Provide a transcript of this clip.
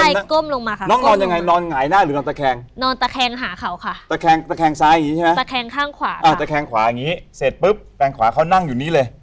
ใช่ก้มลงมาค่ะน้องนอนยังไงนอนหงายหน้าหรือนอนตะแคงนอนตะแคงหาเขาค่ะตะแคงตะแคงซ้ายอย่างงี้ใช่ไหมตะแคงข้างขวาอ่าตะแคงขวาอย่างงี้เสร็จปุ๊บแฟนขวาเขานั่งอยู่นี้เลย